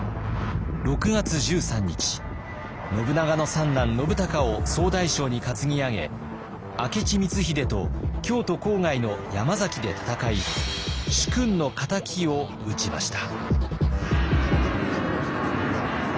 信長の三男信孝を総大将に担ぎ上げ明智光秀と京都郊外の山崎で戦い主君の敵を討ちました。